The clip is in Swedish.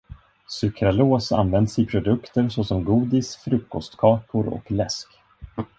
Sukralos används i produkter såsom godis, frukostkakor och läsk.